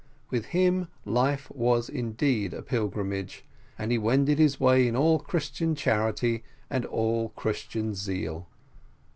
With him life was indeed a pilgrimage, and he wended his way in all Christian charity and all Christian zeal.